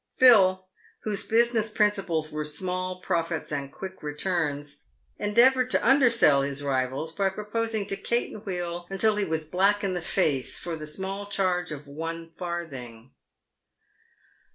Phil, whose business principles were small profits and quick returns, endeavoured to undersell his rivals by proposing to caten wheel until he was black in the face for the small charge of one farthing.